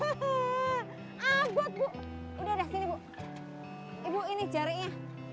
agut bu udah udah sini bu ibu ini jaraknya